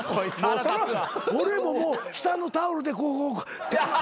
俺ももう下のタオルでここ。